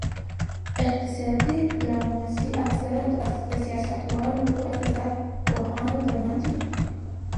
اقتصادي ډیپلوماسي اکثراً د سیاستوالو او اقتصاد پوهانو ترمنځ وي